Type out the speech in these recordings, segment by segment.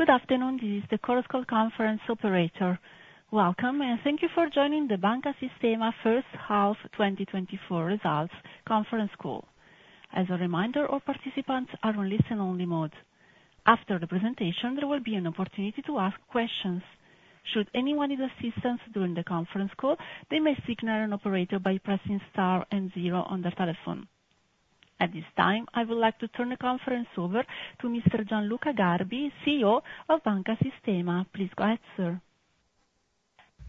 Good afternoon. This is the Chorus Call Conference Operator. Welcome, and thank you for joining the Banca Sistema First Half 2024 Results Conference Call. As a reminder, our participants are on listen-only mode. After the presentation, there will be an opportunity to ask questions. Should anyone need assistance during the conference call, they may signal an operator by pressing star and zero on their telephone. At this time, I would like to turn the conference over to Mr. Gianluca Garbi, CEO of Banca Sistema. Please go ahead, sir.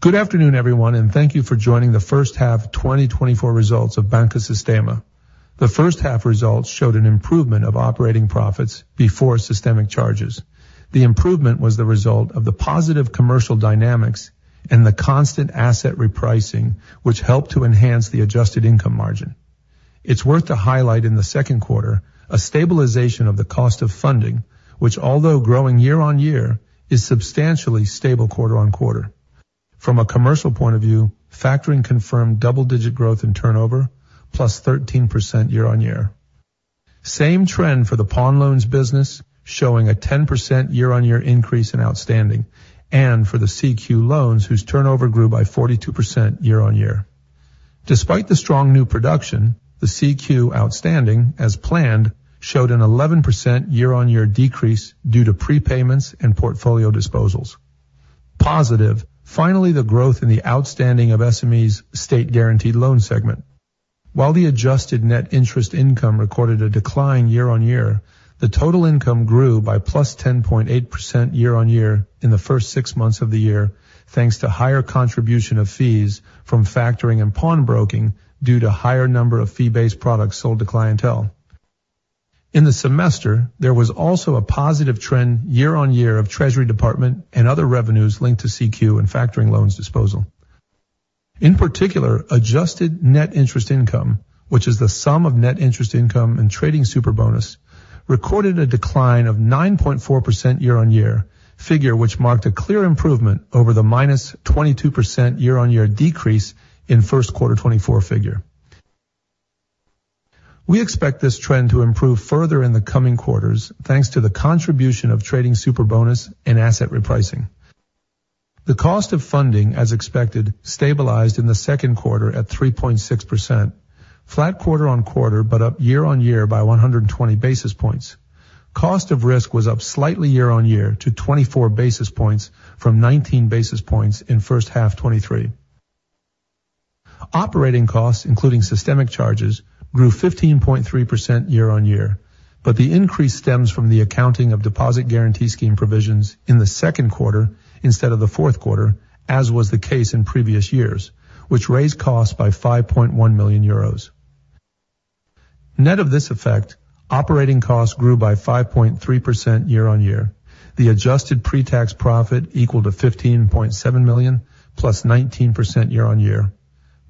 Good afternoon, everyone, and thank you for joining the First Half 2024 Results of Banca Sistema. The First Half Results showed an improvement of operating profits before systemic charges. The improvement was the result of the positive commercial dynamics and the constant asset repricing, which helped to enhance the adjusted income margin. It's worth to highlight in the second quarter a stabilization of the cost of funding, which, although growing year-on-year, is substantially stable quarter-on-quarter. From a commercial point of view, factoring confirmed double-digit growth in turnover, plus 13% year-on-year. Same trend for the pawn loans business, showing a 10% year-on-year increase in outstanding, and for the CQ loans, whose turnover grew by 42% year-on-year. Despite the strong new production, the CQ outstanding, as planned, showed an 11% year-on-year decrease due to prepayments and portfolio disposals. Positive, finally, the growth in the outstanding of SMEs state-guaranteed loan segment. While the adjusted net interest income recorded a decline year-on-year, the total income grew by +10.8% year-on-year in the first six months of the year, thanks to higher contribution of fees from factoring and pawnbroking due to a higher number of fee-based products sold to clientele. In the semester, there was also a positive trend year-on-year of Treasury Department and other revenues linked to CQ and factoring loans disposal. In particular, adjusted net interest income, which is the sum of net interest income and trading Superbonus, recorded a decline of 9.4% year-on-year, figure which marked a clear improvement over the -22% year-on-year decrease in First Quarter 2024 figure. We expect this trend to improve further in the coming quarters, thanks to the contribution of trading Superbonus and asset repricing. The cost of funding, as expected, stabilized in the second quarter at 3.6%, flat quarter-on-quarter but up year-on-year by 120 basis points. Cost of risk was up slightly year-on-year to 24 basis points from 19 basis points in First Half 2023. Operating costs, including systemic charges, grew 15.3% year-on-year, but the increase stems from the accounting of Deposit Guarantee Scheme provisions in the second quarter instead of the fourth quarter, as was the case in previous years, which raised costs by 5.1 million euros. Net of this effect, operating costs grew by 5.3% year-on-year, the adjusted pre-tax profit equal to 15.7 million plus 19% year-on-year,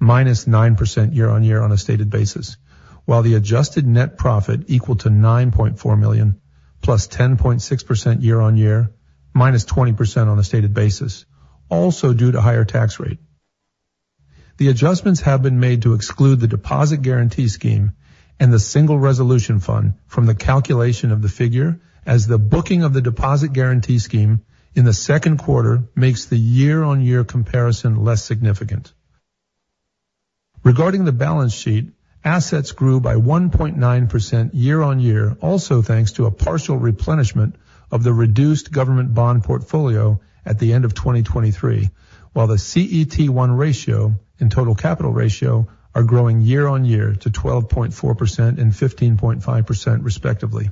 minus 9% year-on-year on a stated basis, while the adjusted net profit equal to 9.4 million plus 10.6% year-on-year, minus 20% on a stated basis, also due to higher tax rate. The adjustments have been made to exclude the Deposit Guarantee Scheme and the Single Resolution Fund from the calculation of the figure, as the booking of the Deposit Guarantee Scheme in the second quarter makes the year-on-year comparison less significant. Regarding the balance sheet, assets grew by 1.9% year-on-year, also thanks to a partial replenishment of the reduced government bond portfolio at the end of 2023, while the CET1 ratio and Total capital ratio are growing year-on-year to 12.4% and 15.5%, respectively.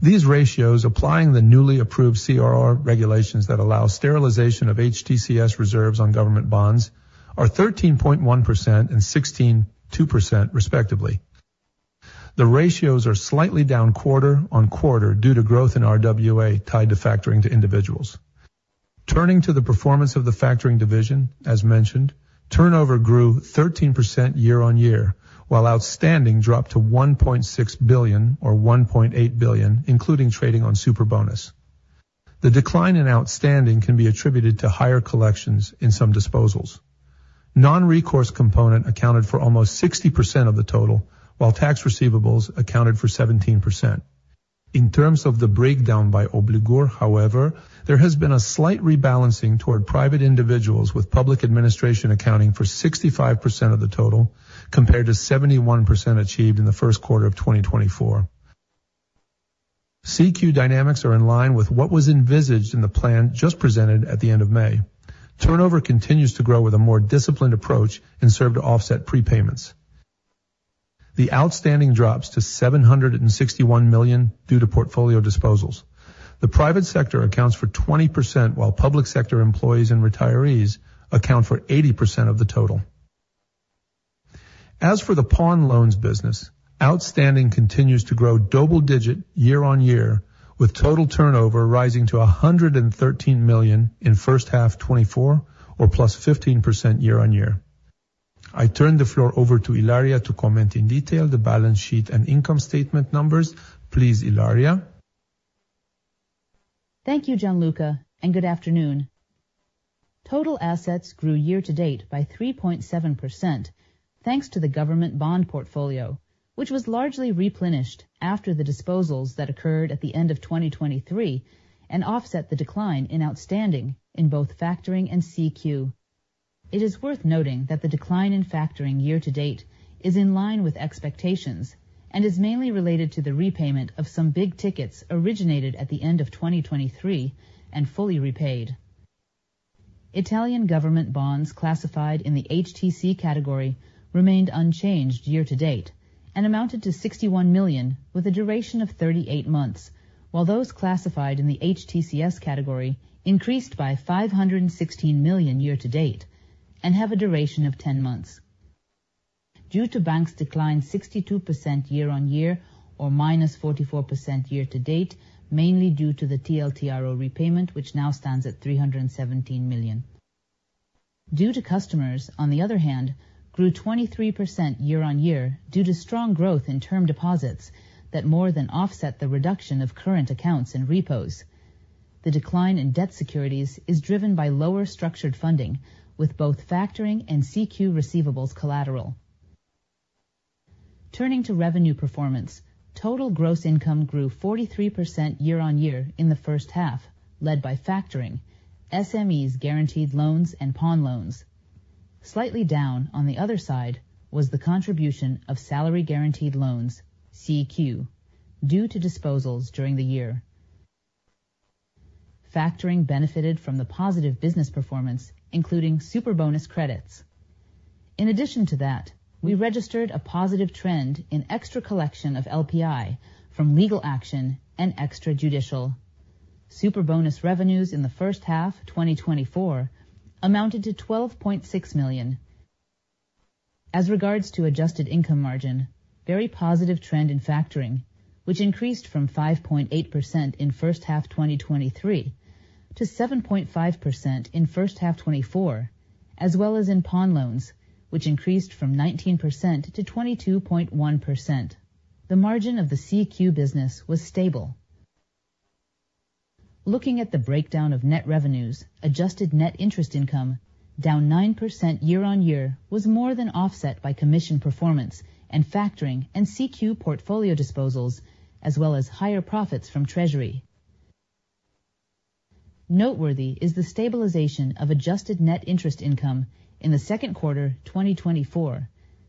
These ratios, applying the newly approved CRR regulations that allow sterilization of HTCS reserves on government bonds, are 13.1% and 16.2%, respectively. The ratios are slightly down quarter-on-quarter due to growth in RWA tied to factoring to individuals. Turning to the performance of the factoring division, as mentioned, turnover grew 13% year-on-year, while outstanding dropped to EUR 1.6 billion or EUR 1.8 billion, including trading on Superbonus. The decline in outstanding can be attributed to higher collections in some disposals. Non-recourse component accounted for almost 60% of the total, while tax receivables accounted for 17%. In terms of the breakdown by obligor, however, there has been a slight rebalancing toward private individuals, with public administration accounting for 65% of the total compared to 71% achieved in the first quarter of 2024. CQ dynamics are in line with what was envisaged in the plan just presented at the end of May. Turnover continues to grow with a more disciplined approach and serve to offset prepayments. The outstanding drops to 761 million due to portfolio disposals. The private sector accounts for 20%, while public sector employees and retirees account for 80% of the total. As for the pawn loans business, outstanding continues to grow double-digit year-on-year, with total turnover rising to 113 million in First Half 2024 or +15% year-on-year. I turn the floor over to Ilaria to comment in detail the balance sheet and income statement numbers. Please, Ilaria. Thank you, Gianluca, and good afternoon. Total assets grew year-to-date by 3.7%, thanks to the government bond portfolio, which was largely replenished after the disposals that occurred at the end of 2023 and offset the decline in outstanding in both factoring and CQ. It is worth noting that the decline in factoring year-to-date is in line with expectations and is mainly related to the repayment of some big tickets originated at the end of 2023 and fully repaid. Italian government bonds classified in the HTC category remained unchanged year-to-date and amounted to 61 million with a duration of 38 months, while those classified in the HTCS category increased by 516 million year-to-date and have a duration of 10 months. Deposits declined 62% year-on-year or -44% year-to-date, mainly due to the TLTRO repayment, which now stands at 317 million. Due to customers, on the other hand, grew 23% year-over-year due to strong growth in term deposits that more than offset the reduction of current accounts in repos. The decline in debt securities is driven by lower structured funding, with both factoring and CQ receivables collateral. Turning to revenue performance, total gross income grew 43% year-over-year in the first half, led by factoring, SMEs guaranteed loans, and pawn loans. Slightly down, on the other side, was the contribution of salary-guaranteed loans, CQ, due to disposals during the year. Factoring benefited from the positive business performance, including Superbonus credits. In addition to that, we registered a positive trend in extra collection of LPI from legal action and extrajudicial. Superbonus revenues in the first half 2024 amounted to 12.6 million. As regards to adjusted income margin, very positive trend in factoring, which increased from 5.8% in First Half 2023 to 7.5% in First Half 2024, as well as in pawn loans, which increased from 19% to 22.1%. The margin of the CQ business was stable. Looking at the breakdown of net revenues, adjusted net interest income, down 9% year-on-year, was more than offset by commission performance and factoring and CQ portfolio disposals, as well as higher profits from Treasury. Noteworthy is the stabilization of adjusted net interest income in the second quarter 2024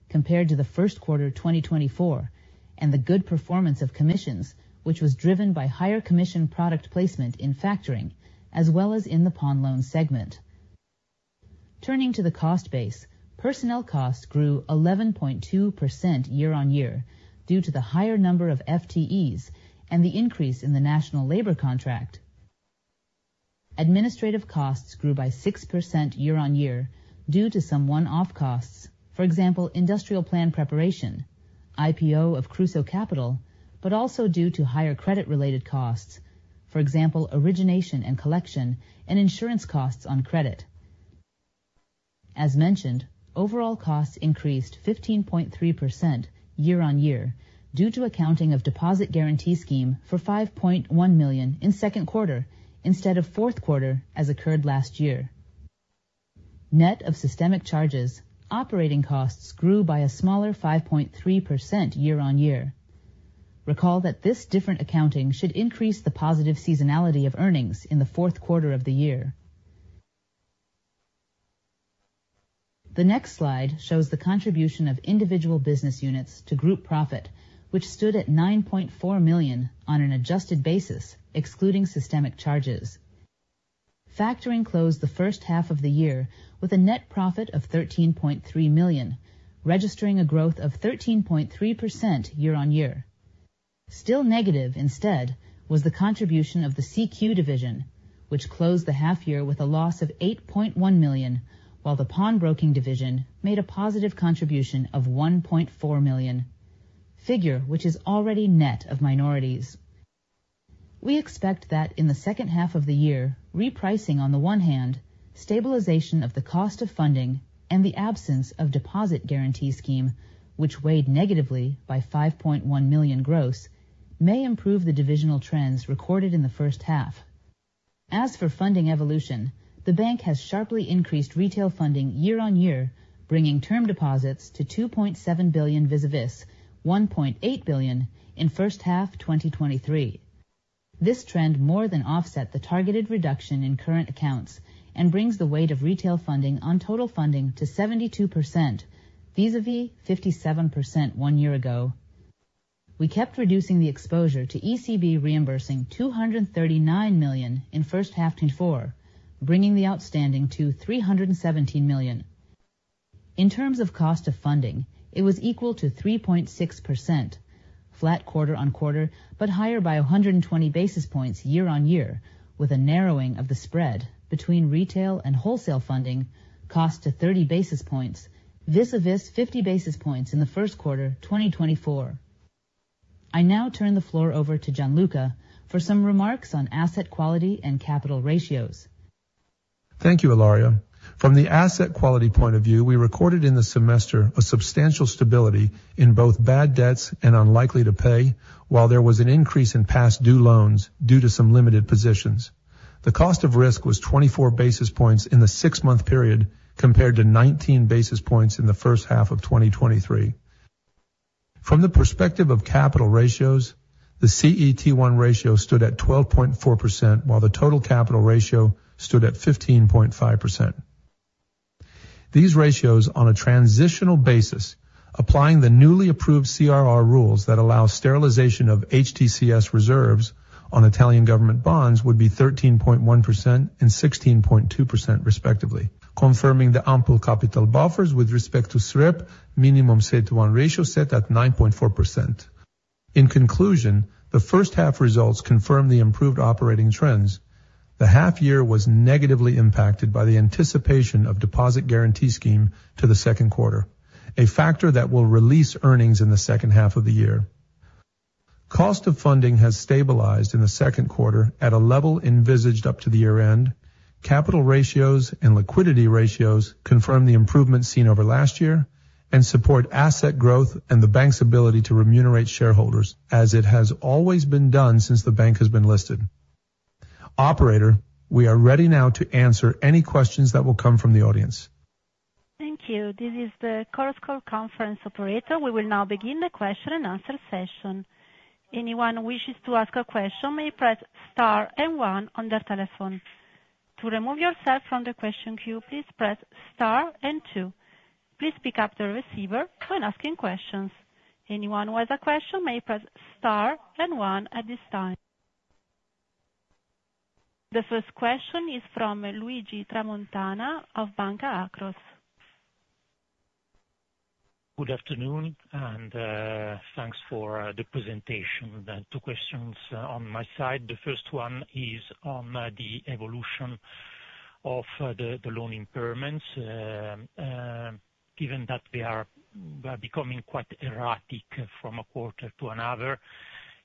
compared to the first quarter 2024 and the good performance of commissions, which was driven by higher commission product placement in factoring as well as in the pawn loan segment. Turning to the cost base, personnel costs grew 11.2% year-over-year due to the higher number of FTEs and the increase in the national labor contract. Administrative costs grew by 6% year-over-year due to some one-off costs, for example, industrial plan preparation, IPO of Kruso Kapital, but also due to higher credit-related costs, for example, origination and collection and insurance costs on credit. As mentioned, overall costs increased 15.3% year-over-year due to accounting of Deposit Guarantee Scheme for 5.1 million in second quarter instead of fourth quarter as occurred last year. Net of systemic charges, operating costs grew by a smaller 5.3% year-over-year. Recall that this different accounting should increase the positive seasonality of earnings in the fourth quarter of the year. The next slide shows the contribution of individual business units to group profit, which stood at 9.4 million on an adjusted basis excluding systemic charges. Factoring closed the first half of the year with a net profit of 13.3 million, registering a growth of 13.3% year-on-year. Still negative instead was the contribution of the CQ division, which closed the half-year with a loss of 8.1 million, while the pawn broking division made a positive contribution of 1.4 million, figure which is already net of minorities. We expect that in the second half of the year, repricing on the one hand, stabilization of the cost of funding, and the absence of Deposit Guarantee Scheme, which weighed negatively by 5.1 million gross, may improve the divisional trends recorded in the first half. As for funding evolution, the bank has sharply increased retail funding year-on-year, bringing term deposits to 2.7 billion vis-à-vis 1.8 billion in First Half 2023. This trend more than offset the targeted reduction in current accounts and brings the weight of retail funding on total funding to 72% vis-à-vis 57% one year ago. We kept reducing the exposure to ECB reimbursing 239 million in First Half 2024, bringing the outstanding to 317 million. In terms of cost of funding, it was equal to 3.6%, flat quarter-on-quarter but higher by 120 basis points year-on-year, with a narrowing of the spread between retail and wholesale funding, cost to 30 basis points vis-à-vis 50 basis points in the first quarter 2024. I now turn the floor over to Gianluca for some remarks on asset quality and capital ratios. Thank you, Ilaria. From the asset quality point of view, we recorded in the semester a substantial stability in both bad debts and unlikely to pay, while there was an increase in past due loans due to some limited positions. The cost of risk was 24 basis points in the six-month period compared to 19 basis points in the first half of 2023. From the perspective of capital ratios, the CET1 ratio stood at 12.4% while the total capital ratio stood at 15.5%. These ratios, on a transitional basis, applying the newly approved CRR rules that allow sterilization of HTCS reserves on Italian government bonds, would be 13.1% and 16.2%, respectively, confirming the ample capital buffers with respect to SREP, minimum CET1 ratio set at 9.4%. In conclusion, the first half results confirm the improved operating trends. The half-year was negatively impacted by the anticipation of Deposit Guarantee Scheme to the second quarter, a factor that will release earnings in the second half of the year. Cost of funding has stabilized in the second quarter at a level envisaged up to the year-end. Capital ratios and liquidity ratios confirm the improvement seen over last year and support asset growth and the bank's ability to remunerate shareholders as it has always been done since the bank has been listed. Operator, we are ready now to answer any questions that will come from the audience. Thank you. This is the Chorus Call conference operator. We will now begin the question and answer session. Anyone who wishes to ask a question may press star and one on their telephone. To remove yourself from the question queue, please press star and two. Please pick up the receiver when asking questions. Anyone who has a question may press star and one at this time. The first question is from Luigi Tramontana of Banca Akros. Good afternoon and thanks for the presentation. Two questions on my side. The first one is on the evolution of the loan impairments. Given that they are becoming quite erratic from a quarter to another,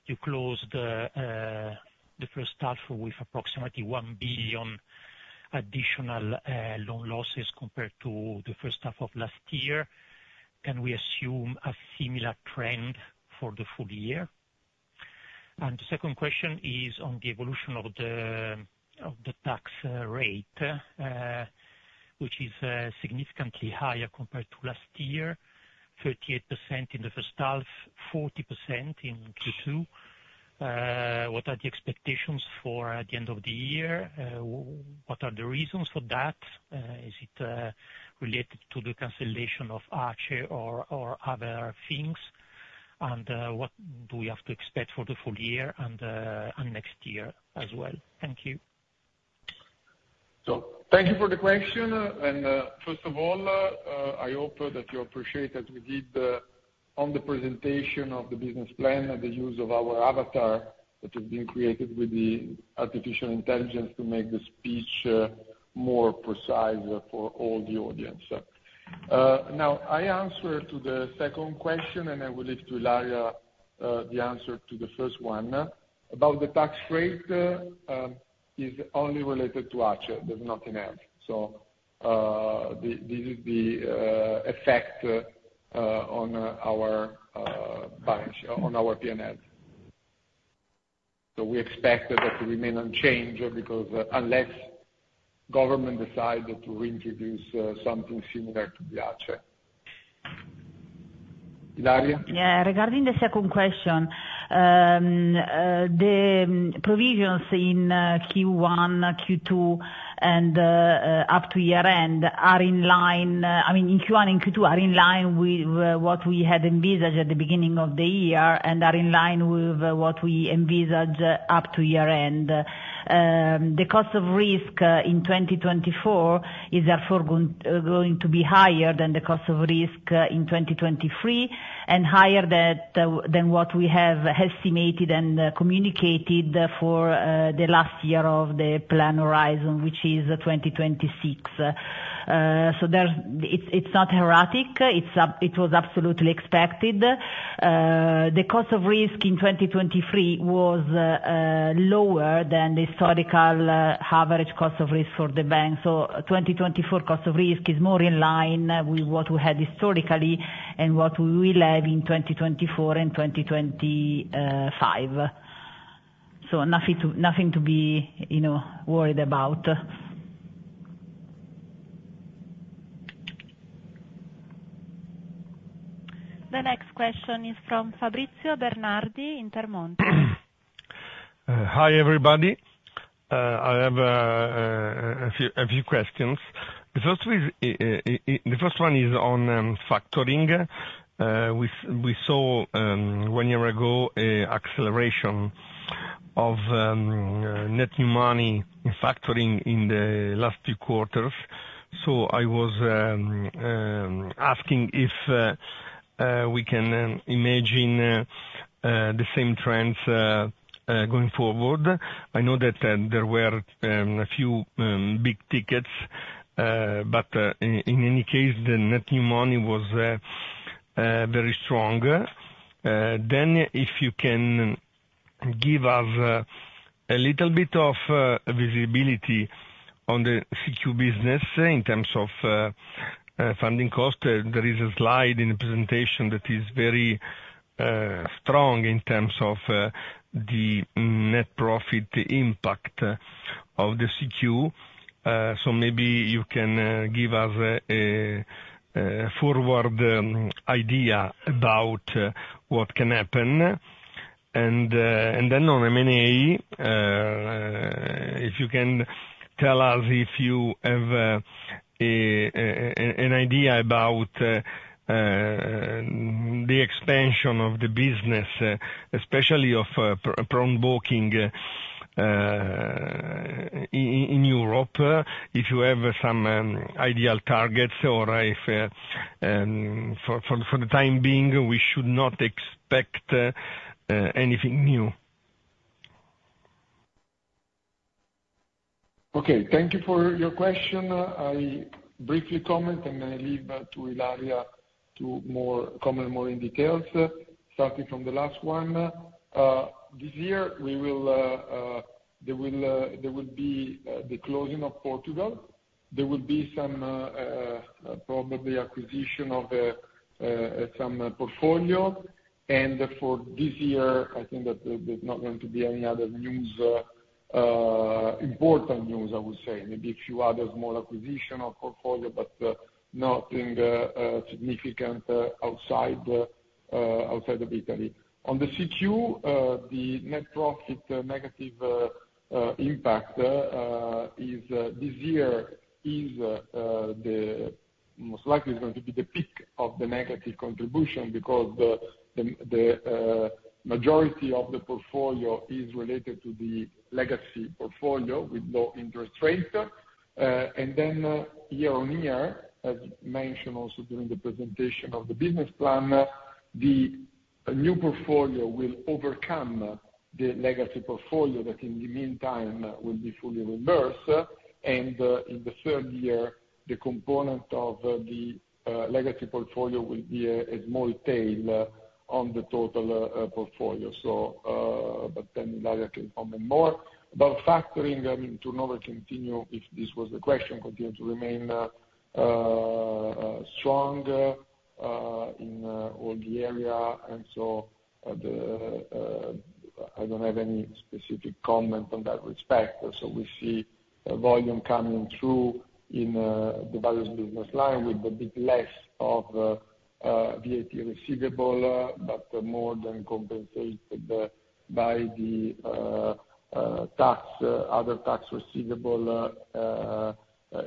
you closed the first half with approximately 1 billion additional loan losses compared to the first half of last year. Can we assume a similar trend for the full year? And the second question is on the evolution of the tax rate, which is significantly higher compared to last year, 38% in the first half, 40% in Q2. What are the expectations for the end of the year? What are the reasons for that? Is it related to the cancellation of ACE or other things? And what do we have to expect for the full year and next year as well? Thank you. Thank you for the question. First of all, I hope that you appreciate that we did, on the presentation of the business plan, the use of our avatar that has been created with the artificial intelligence to make the speech more precise for all the audience. Now, I answer to the second question and I will leave to Ilaria the answer to the first one. About the tax rate, it's only related to ACE. There's nothing else. This is the effect on our P&L. We expect that it will remain unchanged unless government decides to reintroduce something similar to the ACE. Ilaria? Yeah. Regarding the second question, the provisions in Q1, Q2, and up to year-end are in line I mean, in Q1 and Q2 are in line with what we had envisaged at the beginning of the year and are in line with what we envisaged up to year-end. The cost of risk in 2024 is therefore going to be higher than the cost of risk in 2023 and higher than what we have estimated and communicated for the last year of the plan horizon, which is 2026. So it's not erratic. It was absolutely expected. The cost of risk in 2023 was lower than the historical average cost of risk for the bank. So 2024 cost of risk is more in line with what we had historically and what we will have in 2024 and 2025. So nothing to be worried about. The next question is from Fabrizio Bernardi in Intermonte. Hi, everybody. I have a few questions. The first one is on factoring. We saw one year ago an acceleration of net new money in factoring in the last few quarters. So I was asking if we can imagine the same trends going forward. I know that there were a few big tickets, but in any case, the net new money was very strong. Then if you can give us a little bit of visibility on the CQ business in terms of funding cost, there is a slide in the presentation that is very strong in terms of the net profit impact of the CQ. So maybe you can give us a forward idea about what can happen. Then on M&A, if you can tell us if you have an idea about the expansion of the business, especially of pawn broking in Europe, if you have some identified targets or if, for the time being, we should not expect anything new? Okay. Thank you for your question. I briefly comment and I leave to Ilaria to comment more in details, starting from the last one. This year, there will be the closing of Portugal. There will be some probably acquisition of some portfolio. And for this year, I think that there's not going to be any other important news, I would say. Maybe a few other small acquisitions of portfolio, but nothing significant outside of Italy. On the CQ, the net profit negative impact this year is most likely going to be the peak of the negative contribution because the majority of the portfolio is related to the legacy portfolio with low interest rates. And then year-on-year, as mentioned also during the presentation of the business plan, the new portfolio will overcome the legacy portfolio that in the meantime will be fully reimbursed. In the third year, the component of the legacy portfolio will be a small tail on the total portfolio. Then Ilaria can comment more. About factoring, I mean, turnover continues, if this was the question, continues to remain strong in all the area. So I don't have any specific comment on that respect. We see volume coming through in the various business lines with a bit less of VAT receivable but more than compensated by the other tax receivable,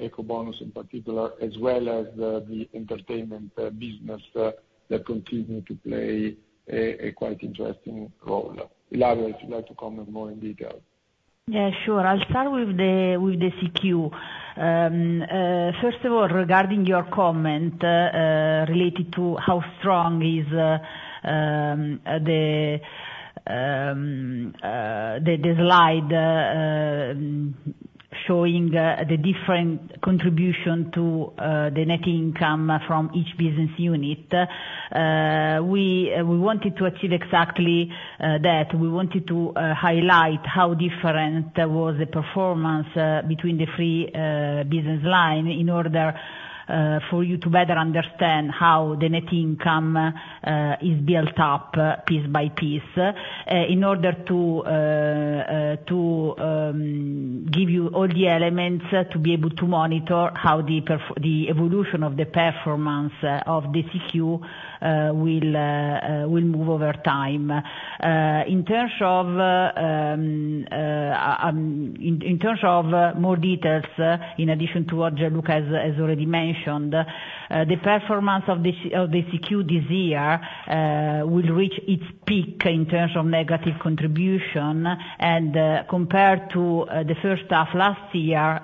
Ecobonus in particular, as well as the entertainment business that continues to play a quite interesting role. Ilaria, if you'd like to comment more in detail. Yeah, sure. I'll start with the CQ. First of all, regarding your comment related to how strong is the slide showing the different contribution to the net income from each business unit, we wanted to achieve exactly that. We wanted to highlight how different was the performance between the three business lines in order for you to better understand how the net income is built up piece by piece, in order to give you all the elements to be able to monitor how the evolution of the performance of the CQ will move over time. In terms of more details, in addition to what Gianluca has already mentioned, the performance of the CQ this year will reach its peak in terms of negative contribution. And compared to the first half last year,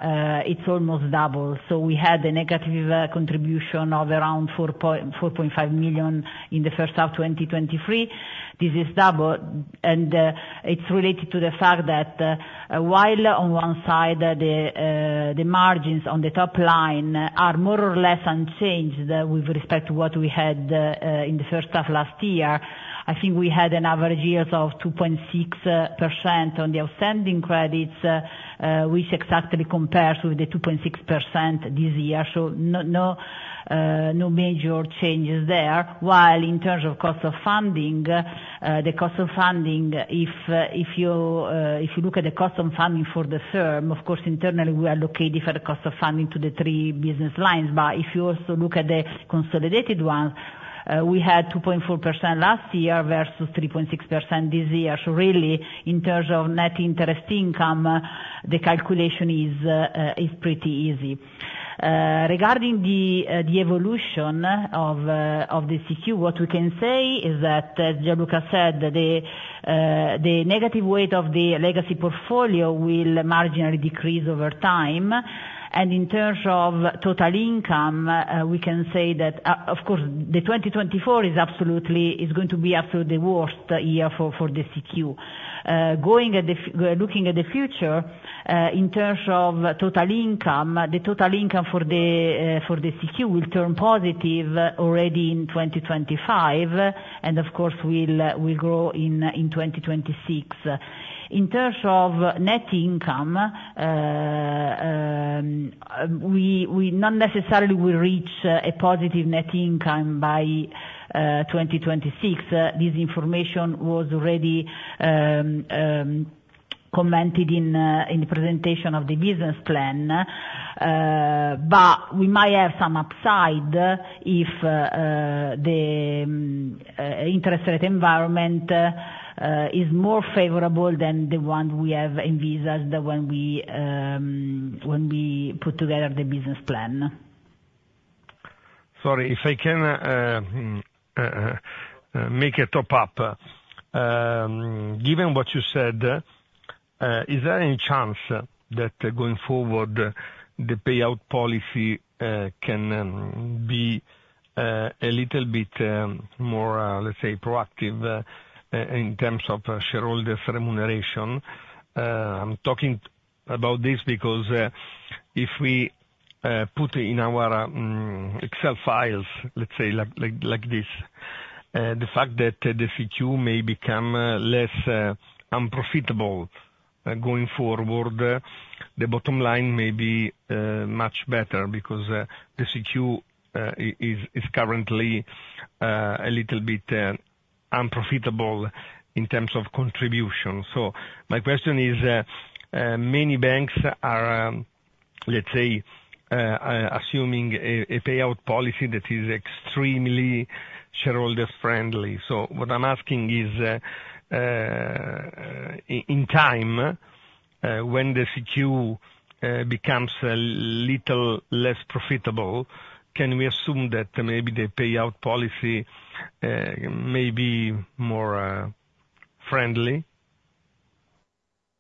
it's almost double. So we had a negative contribution of around 4.5 million in the first half 2023. This is double. It's related to the fact that while on one side, the margins on the top line are more or less unchanged with respect to what we had in the first half last year, I think we had an average yield of 2.6% on the outstanding credits, which exactly compares with the 2.6% this year. No major changes there. While in terms of cost of funding, the cost of funding, if you look at the cost of funding for the firm, of course, internally, we allocate the cost of funding to the three business lines. But if you also look at the consolidated ones, we had 2.4% last year versus 3.6% this year. Really, in terms of net interest income, the calculation is pretty easy. Regarding the evolution of the CQ, what we can say is that, as Gianluca said, the negative weight of the legacy portfolio will marginally decrease over time. And in terms of total income, we can say that, of course, the 2024 is going to be absolutely the worst year for the CQ. Looking at the future, in terms of total income, the total income for the CQ will turn positive already in 2025 and, of course, will grow in 2026. In terms of net income, we not necessarily will reach a positive net income by 2026. This information was already commented in the presentation of the business plan. But we might have some upside if the interest rate environment is more favorable than the one we have envisaged when we put together the business plan. Sorry, if I can make a top-up. Given what you said, is there any chance that going forward, the payout policy can be a little bit more, let's say, proactive in terms of shareholders' remuneration? I'm talking about this because if we put in our Excel files, let's say, like this, the fact that the CQ may become less unprofitable going forward, the bottom line may be much better because the CQ is currently a little bit unprofitable in terms of contribution. So my question is, many banks are, let's say, assuming a payout policy that is extremely shareholder-friendly. So what I'm asking is, in time, when the CQ becomes a little less profitable, can we assume that maybe the payout policy may be more friendly?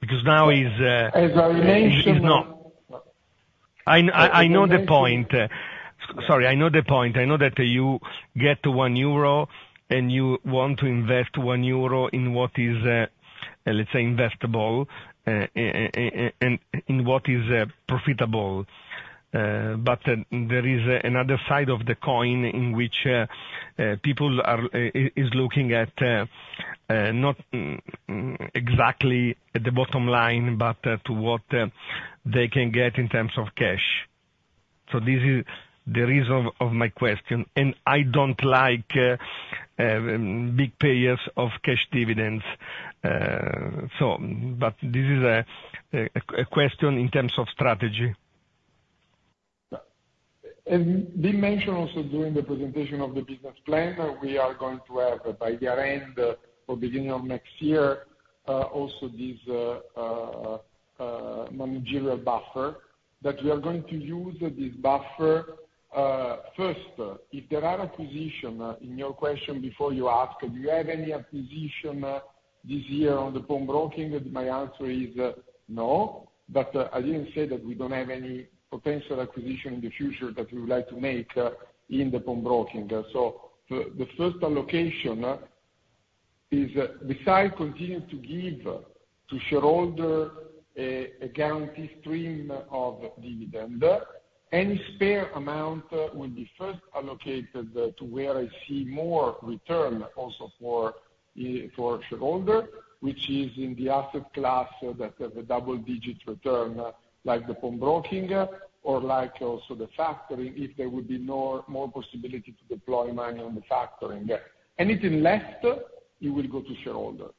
Because now it's not. As I mentioned. I know the point. Sorry, I know the point. I know that you get 1 euro and you want to invest 1 euro in what is, let's say, investable and in what is profitable. But there is another side of the coin in which people are looking at not exactly at the bottom line, but to what they can get in terms of cash. So this is the reason of my question. I don't like big payers of cash dividends. This is a question in terms of strategy. And we mentioned also during the presentation of the business plan that we are going to have, by year-end or beginning of next year, also this managerial buffer. That we are going to use this buffer first. If there are acquisitions in your question before you ask, do you have any acquisition this year on the pawn broking, my answer is no. But I didn't say that we don't have any potential acquisition in the future that we would like to make in the pawn broking. So the first allocation is, besides continuing to give to shareholders a guaranteed stream of dividend, any spare amount will be first allocated to where I see more return also for shareholders, which is in the asset class that has a double-digit return like the pawn broking or like also the factoring, if there would be more possibility to deploy money on the factoring. Anything left, it will go to shareholders.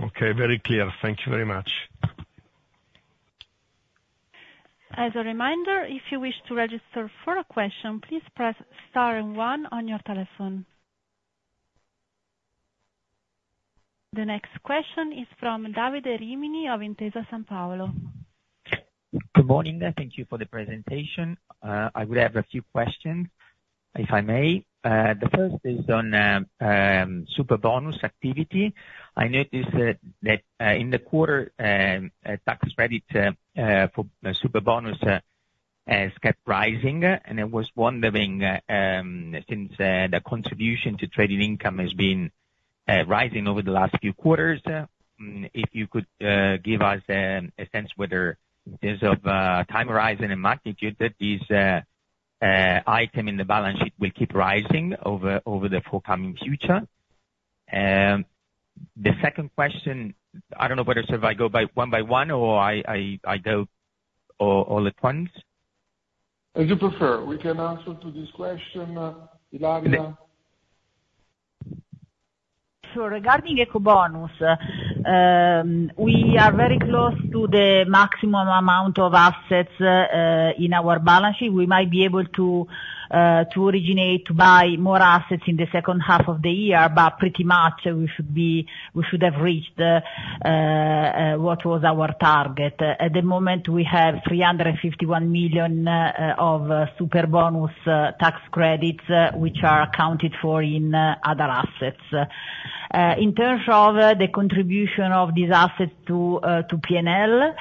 Okay. Very clear. Thank you very much. As a reminder, if you wish to register for a question, please press star and one on your telephone. The next question is from Davide Rimini of Intesa Sanpaolo. Good morning. Thank you for the presentation. I would have a few questions, if I may. The first is on Superbonus activity. I noticed that in the quarter, tax credits for Superbonus kept rising. And I was wondering, since the contribution to trading income has been rising over the last few quarters, if you could give us a sense whether, in terms of time horizon and magnitude, this item in the balance sheet will keep rising over the forthcoming future. The second question, I don't know whether I should go one by one or I go all at once. As you prefer. We can answer to this question, Ilaria. Sure. Regarding Ecobonus, we are very close to the maximum amount of assets in our balance sheet. We might be able to originate to buy more assets in the second half of the year, but pretty much, we should have reached what was our target. At the moment, we have 351 million of Superbonus tax credits, which are accounted for in other assets. In terms of the contribution of these assets to P&L,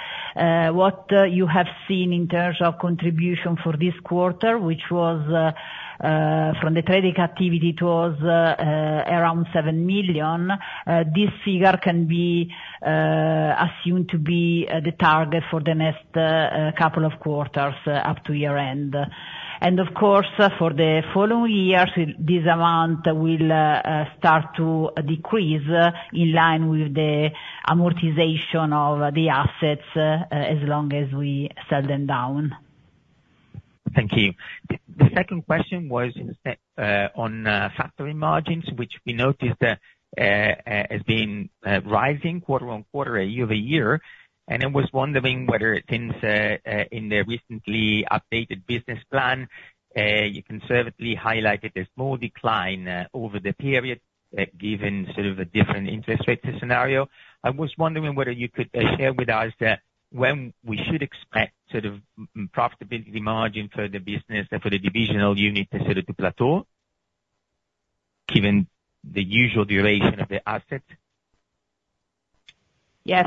what you have seen in terms of contribution for this quarter, which was from the trading activity, it was around 7 million. This figure can be assumed to be the target for the next couple of quarters up to year-end. And of course, for the following years, this amount will start to decrease in line with the amortization of the assets as long as we sell them down. Thank you. The second question was on factoring margins, which we noticed has been rising quarter-over-quarter, year-over-year. I was wondering whether, since in the recently updated business plan, you conservatively highlighted a small decline over the period given sort of a different interest rate scenario. I was wondering whether you could share with us when we should expect sort of profitability margin for the business, for the divisional unit, to sort of plateau given the usual duration of the assets. Yeah.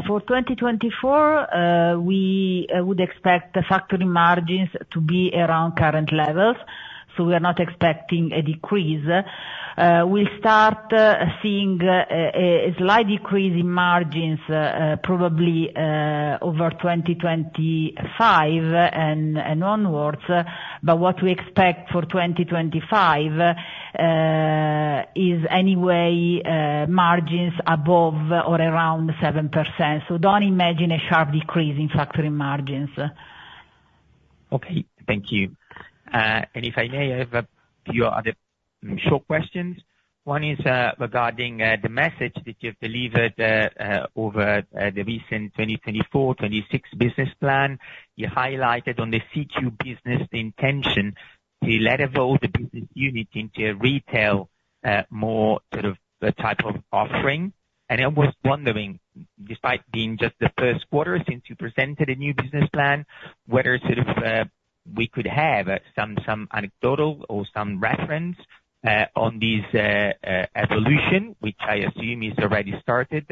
For 2024, we would expect the factoring margins to be around current levels. So we are not expecting a decrease. We'll start seeing a slight decrease in margins probably over 2025 and onwards. But what we expect for 2025 is anyway margins above or around 7%. So don't imagine a sharp decrease in factoring margins. Okay. Thank you. And if I may, I have a few other short questions. One is regarding the message that you've delivered over the recent 2024-26 business plan. You highlighted on the CQ business the intention to level the business unit into a retail more sort of type of offering. And I was wondering, despite being just the first quarter since you presented a new business plan, whether sort of we could have some anecdotal or some reference on this evolution, which I assume is already started,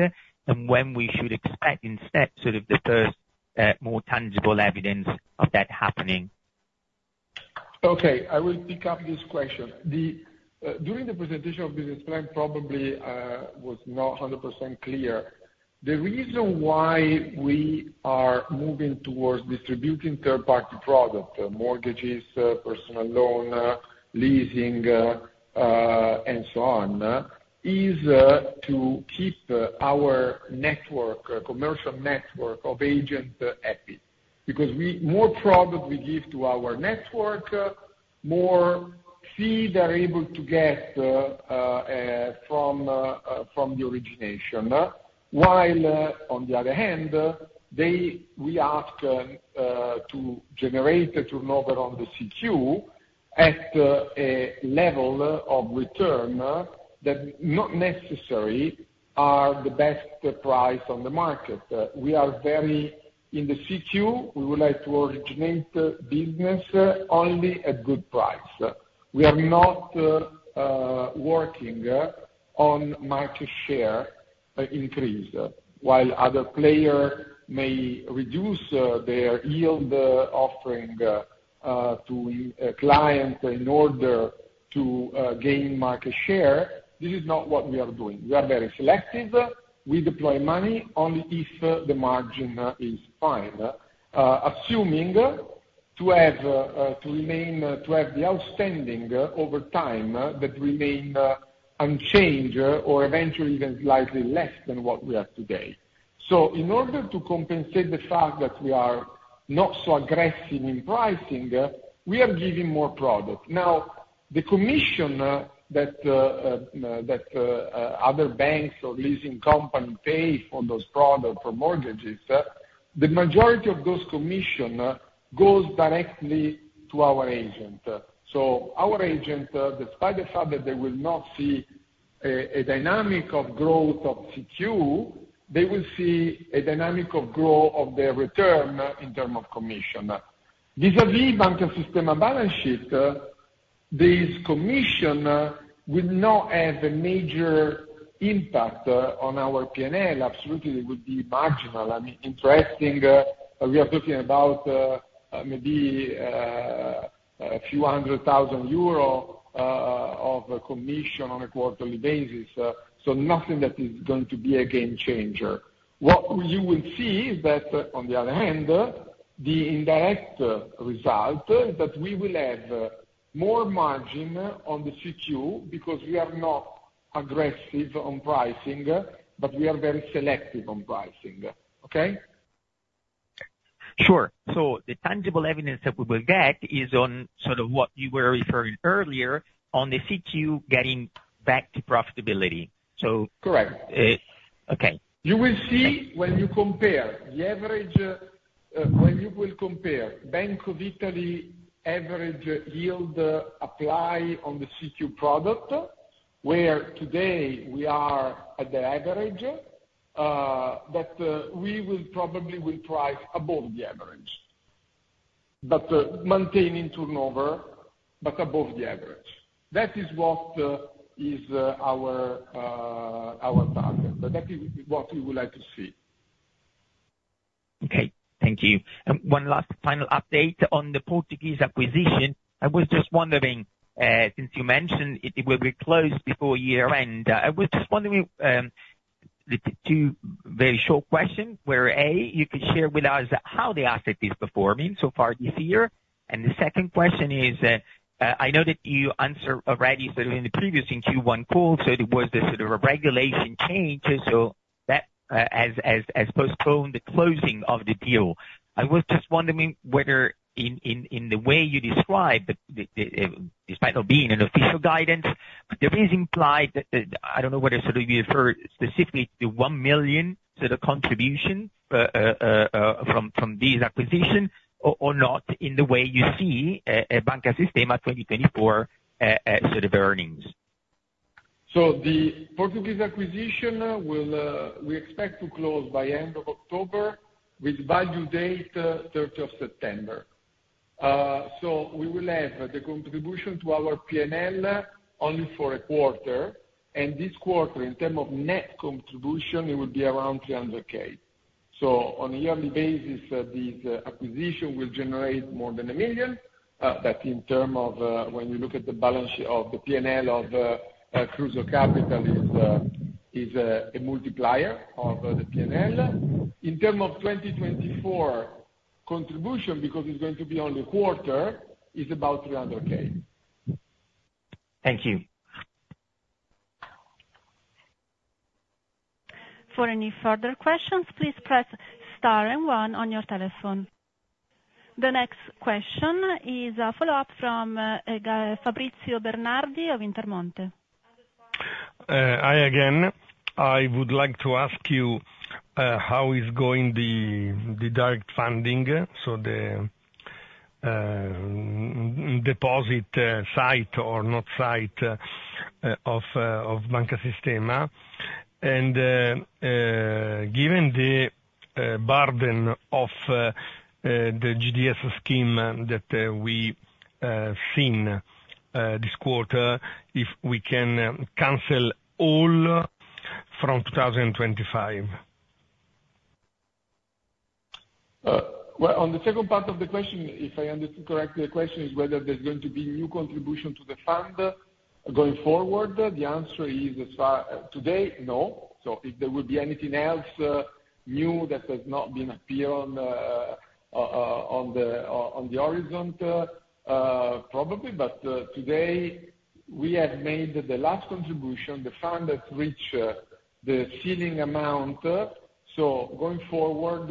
and when we should expect instead sort of the first more tangible evidence of that happening. Okay. I will pick up this question. During the presentation of business plan, probably was not 100% clear. The reason why we are moving towards distributing third-party products, mortgages, personal loan, leasing, and so on, is to keep our commercial network of agents happy. Because more product we give to our network, more fees they're able to get from the origination. While, on the other hand, we ask to generate a turnover on the CQ at a level of return that not necessarily are the best price on the market. We are very in the CQ, we would like to originate business only at good price. We are not working on market share increase. While other players may reduce their yield offering to clients in order to gain market share, this is not what we are doing. We are very selective. We deploy money only if the margin is fine, assuming to have the outstanding over time that remain unchanged or eventually even slightly less than what we have today. In order to compensate the fact that we are not so aggressive in pricing, we are giving more product. Now, the commission that other banks or leasing companies pay for those products, for mortgages, the majority of those commissions go directly to our agent. So our agent, despite the fact that they will not see a dynamic of growth of CQ, they will see a dynamic of growth of their return in terms of commission. Vis-à-vis Banca Sistema balance sheet, this commission will not have a major impact on our P&L. Absolutely, it would be marginal. I mean, interesting, we are talking about maybe a few 100,000 euro of commission on a quarterly basis. So nothing that is going to be a game changer. What you will see is that, on the other hand, the indirect result is that we will have more margin on the CQ because we are not aggressive on pricing, but we are very selective on pricing. Okay? Sure. So the tangible evidence that we will get is on sort of what you were referring earlier on the CQ getting back to profitability. So. Correct. Okay. You will see when you compare the average when you will compare Bank of Italy average yield applied on the CQ product, where today we are at the average, that we probably will price above the average, maintaining turnover, but above the average. That is what is our target. But that is what we would like to see. Okay. Thank you. And one last final update on the Portuguese acquisition. I was just wondering, since you mentioned it will be closed before year-end, I was just wondering two very short questions. A, you could share with us how the asset is performing so far this year. And the second question is, I know that you answered already sort of in the previous Q1 call, so there was sort of a regulation change, so that has postponed the closing of the deal. I was just wondering whether, in the way you described, despite not being an official guidance, there is implied that I don't know whether sort of you refer specifically to 1 million sort of contribution from this acquisition or not in the way you see Banca Sistema 2024 sort of earnings. So the Portuguese acquisition, we expect to close by end of October with value date September 30. So we will have the contribution to our P&L only for a quarter. And this quarter, in terms of net contribution, it will be around 300,000. So on a yearly basis, this acquisition will generate more than 1 million. But in terms of when you look at the balance sheet of the P&L of Kruso Kapital, it's a multiplier of the P&L. In terms of 2024 contribution, because it's going to be only a quarter, it's about 300,000. Thank you. For any further questions, please press star and one on your telephone. The next question is a follow-up from Fabrizio Bernardi of Intermonte. Hi again. I would like to ask you how is going the direct funding, so the deposit side or non-deposit side of Banca Sistema. Given the burden of the DGS scheme that we've seen this quarter, if we can cancel all from 2025? Well, on the second part of the question, if I understood correctly, the question is whether there's going to be new contribution to the fund going forward. The answer is, as far today, no. So if there will be anything else new that has not been appearing on the horizon, probably. But today, we have made the last contribution, the fund has reached the ceiling amount. So going forward,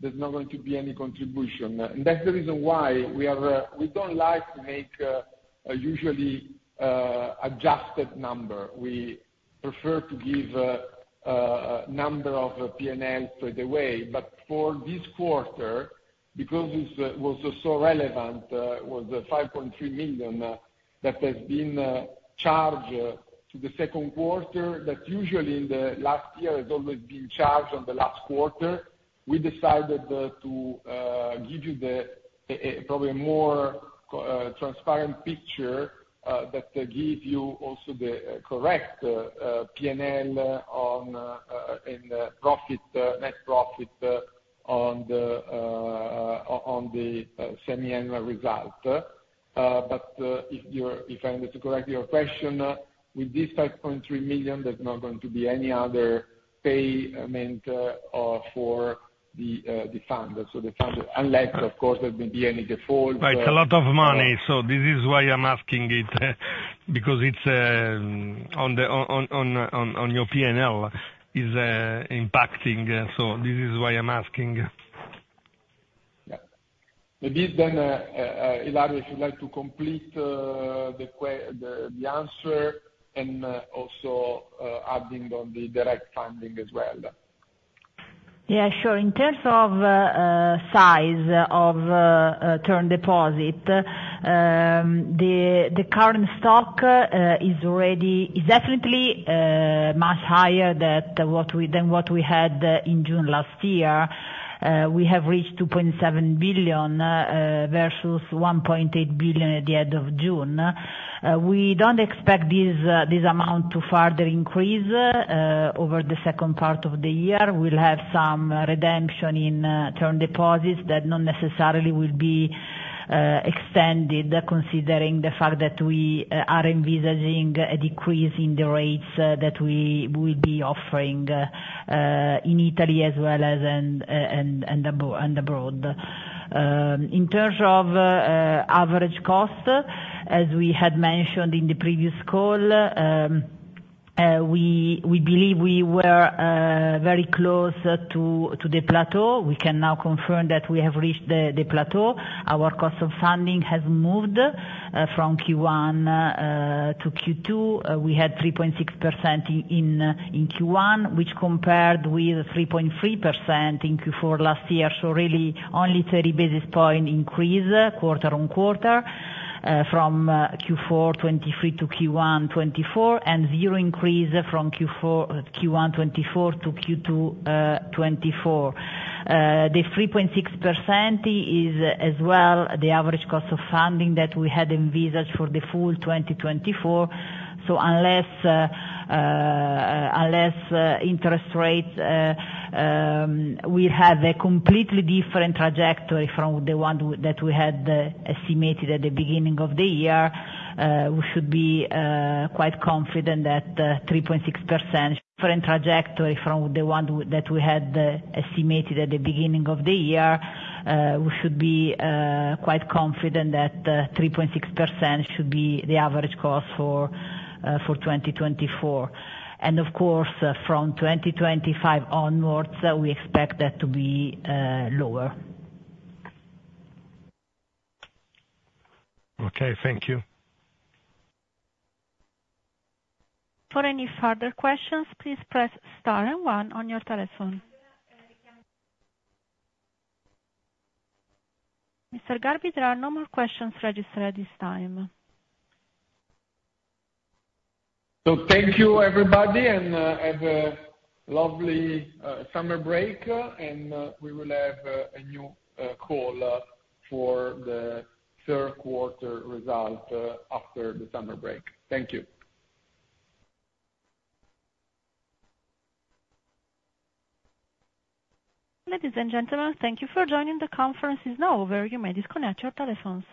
there's not going to be any contribution. And that's the reason why we don't like to make a usually adjusted number. We prefer to give a number of P&Ls straight away. For this quarter, because it was so relevant, it was 5.3 million that has been charged to the second quarter that usually in the last year has always been charged on the last quarter, we decided to give you probably a more transparent picture that gives you also the correct P&L and net profit on the semiannual result. If I understood correctly your question, with this 5.3 million, there's not going to be any other payment for the fund, unless, of course, there may be any default. Right. A lot of money. So this is why I'm asking it, because it's on your P&L, it's impacting. So this is why I'm asking. Yeah. Maybe then, Ilaria, if you'd like to complete the answer and also adding on the direct funding as well. Yeah. Sure. In terms of size of term deposit, the current stock is definitely much higher than what we had in June last year. We have reached 2.7 billion versus 1.8 billion at the end of June. We don't expect this amount to further increase over the second part of the year. We'll have some redemption in term deposits that not necessarily will be extended considering the fact that we are envisaging a decrease in the rates that we will be offering in Italy as well as abroad. In terms of average cost, as we had mentioned in the previous call, we believe we were very close to the plateau. We can now confirm that we have reached the plateau. Our cost of funding has moved from Q1 to Q2. We had 3.6% in Q1, which compared with 3.3% in Q4 last year. So really, only 30 basis point increase quarter on quarter from Q4 2023 to Q1 2024 and zero increase from Q1 2024 to Q2 2024. The 3.6% is as well the average cost of funding that we had envisaged for the full 2024. So unless interest rates will have a completely different trajectory from the one that we had estimated at the beginning of the year, we should be quite confident that 3.6%. Different trajectory from the one that we had estimated at the beginning of the year, we should be quite confident that 3.6% should be the average cost for 2024. And of course, from 2025 onwards, we expect that to be lower. Okay. Thank you. For any further questions, please press star and one on your telephone. Mr. Garbi, there are no more questions registered at this time. Thank you, everybody, and have a lovely summer break. We will have a new call for the third quarter result after the summer break. Thank you. Ladies and gentlemen, thank you for joining the conference. It's now over. You may disconnect your telephones.